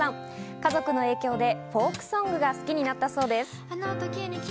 家族の影響でフォークソングが好きになったそうです。